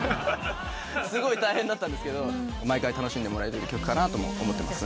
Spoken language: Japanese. すごい大変だったんですけど毎回楽しんでもらえてる曲かなと思ってますね。